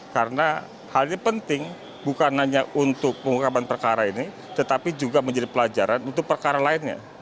karena hal ini penting bukan hanya untuk pengukaman perkara ini tetapi juga menjadi pelajaran untuk perkara lainnya